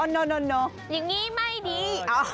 อ้อนท์อย่างนี้ไม่ดี